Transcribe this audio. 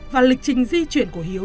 và lịch trình di chuyển của hiếu